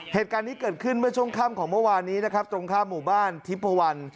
เหตุการณ์นี้เกิดขึ้นเมื่อช่วงค่ำของเมื่อวานนี้นะครับตรงข้ามหมู่บ้านทิพพวัน